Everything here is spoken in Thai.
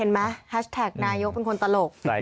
เห็นไหมแฮชแท็กนายกเป็นคนตลก